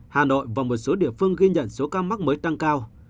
hà nội và một số địa phương ghi nhận số ca mắc mới tăng cao